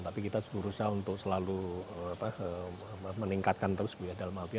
tapi kita berusaha untuk selalu meningkatkan terus dalam artian